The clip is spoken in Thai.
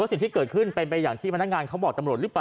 สิ่งที่เกิดขึ้นเป็นไปอย่างที่พนักงานเขาบอกตำรวจหรือเปล่า